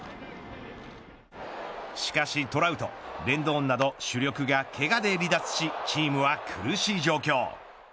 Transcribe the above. しかしトラウト、レンドンなど主力がけがで離脱しチームは苦しい状況。